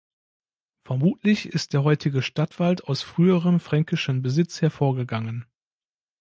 Vermutlich ist der heutige Stadtwald aus früherem fränkischen Besitz hervorgegangen.